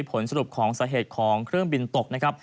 ผลสรุปของสาเหตุของเครื่องบินตกนะครับ